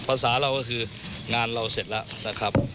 ภาษาเราก็คืองานเราเสร็จแล้วนะครับ